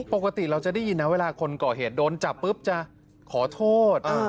ปกติเราจะได้ยินนะเวลาคนก่อเหตุโดนจับปุ๊บจะขอโทษ